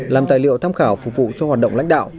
làm tài liệu tham khảo phục vụ cho hoạt động lãnh đạo